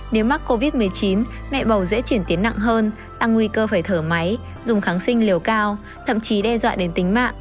nếu mắc covid một mươi chín mẹ bầu dễ chuyển tiến nặng hơn tăng nguy cơ phải thở máy dùng kháng sinh liều cao thậm chí đe dọa đến tính mạng